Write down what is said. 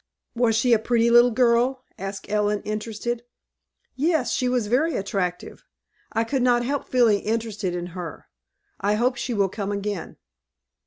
"Was she a pretty little girl?" asked Ellen, interested. "Yes, she was very attractive. I could not help feeling interested in her. I hope she will come again."